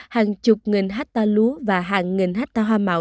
hàng chục nghìn hecta lúa và hàng nghìn hecta hoa màu đã cuốn trôi theo dòng nước